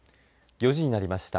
４時になりました。